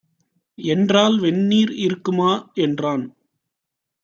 என்றாள். "வெந்நீர் இருக்குமா" என்றான்.